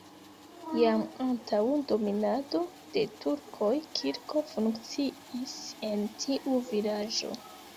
Jam antaŭ dominado de turkoj kirko funkciis en tiu vilaĝo.